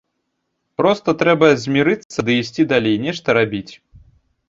Проста трэба змірыцца ды ісці далей, нешта рабіць.